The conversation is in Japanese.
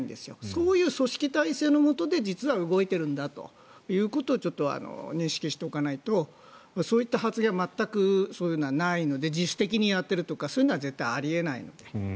そういう組織体制のもとで実は動いているんだということをちょっと認識しておかないとそういった発言を全くそういうのはないので自主的にやっているとかそういうことは絶対にあり得ないので。